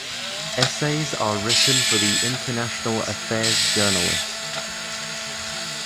Essays are written for the international affairs generalist.